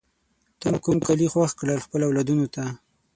تا کوم کالی خوښ کړل خپلو اولادونو ته؟